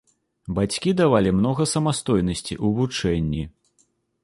Бацькі давалі многа самастойнасці ў вучэнні.